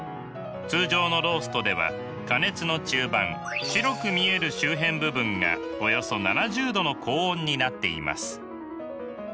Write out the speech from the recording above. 通常のローストでは加熱の中盤白く見える周辺部分がおよそ７０℃の高温になっています。